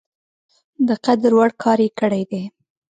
د قدر وړ کار یې کړی دی.